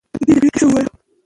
د دې جګړې کیسه ووایه.